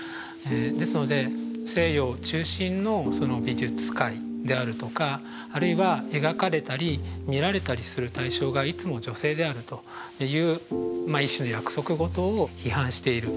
ですので西洋中心の美術界であるとかあるいは描かれたり見られたりする対象がいつも女性であるという一種の約束事を批判しているとも言えると思います。